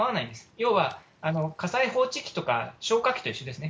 要は火災報知器とか消火器と一緒ですね。